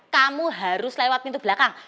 kamu harus lewat pintu belakang